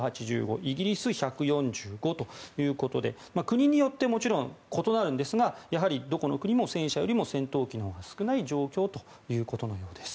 イギリス、１４５ということで国によってももちろん異なるんですがやはりどこの国も戦車よりも戦闘機のほうが少ない状況ということなんです。